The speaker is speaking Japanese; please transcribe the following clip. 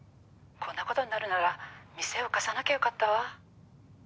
「こんな事になるなら店を貸さなきゃよかったわ」